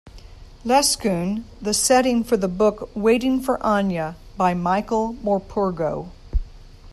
Lescun the setting for the book "Waiting for Anya" by Michael Morpurgo.